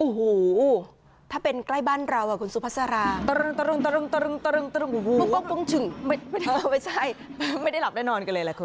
อุโหถ้าเป็นใกล้บ้านเราคุณซูพัสราตรึงไม่ได้หลับแน่นอนกันเลยล่ะคุณ